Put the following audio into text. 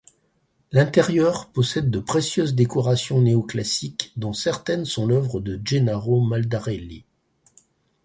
L'intérieur possède de précieuses décorations néoclassiques dont certaines sont l'œuvre de Gennaro Maldarelli.